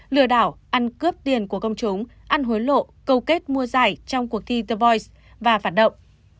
lừa đảo ăn cướp tiền của công chúng ăn hối lộ câu kết mua giải trong cuộc thi the voice và phản động